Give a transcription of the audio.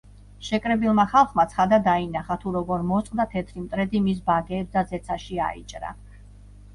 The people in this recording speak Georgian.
შეკრებილმა ხალხმა ცხადად დაინახა, თუ როგორ მოსწყდა თეთრი მტრედი მის ბაგეებს და ზეცაში აიჭრა.